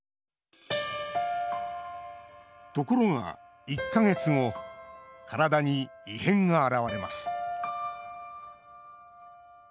ところが、１か月後体に異変が現れます。